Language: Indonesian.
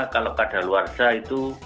kalau keadaan luar sah itu